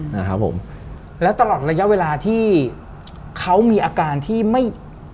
อย่างตลอดระยะเวลาที่เขามีอาการที่ไม่